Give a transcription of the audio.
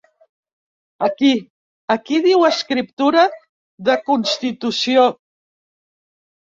Aquí, aquí diu escriptura de constitució.